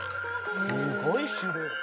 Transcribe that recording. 「すごい種類」